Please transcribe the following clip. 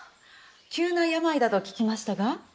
急な病だと聞きましたが。